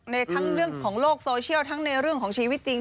ในทั้งเรื่องของโลกโซเชียลทั้งในเรื่องของชีวิตจริง